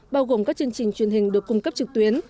bao gồm các chương trình truyền hình được cung cấp trực tuyến